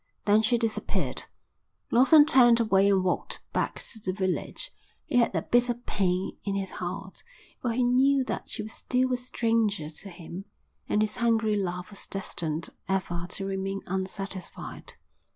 Then she disappeared. Lawson turned away and walked back to the village. He had a bitter pain in his heart, for he knew that she was still a stranger to him and his hungry love was destined ever to remain unsatisfied.